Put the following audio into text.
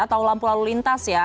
atau lampu lalu lintas ya